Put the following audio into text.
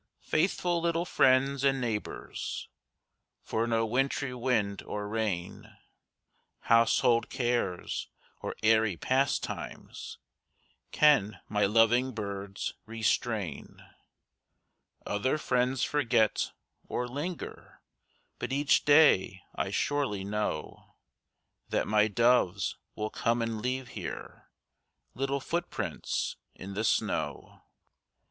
Faithful little friends and neighbors, For no wintry wind or rain, Household cares or airy pastimes, Can my loving birds restrain. Other friends forget, or linger, But each day I surely know That my doves will come and leave here Little footprints in the snow.